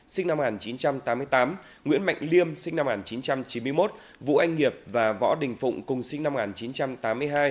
sinh năm một nghìn chín trăm tám mươi tám nguyễn mạnh liêm sinh năm một nghìn chín trăm chín mươi một vũ anh nghiệp và võ đình phụng cùng sinh năm một nghìn chín trăm tám mươi hai